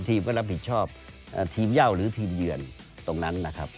ทีมก็รับผิดชอบทีมเย่าหรือทีมเยือนตรงนั้นนะครับ